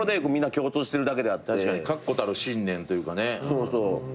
そうそう。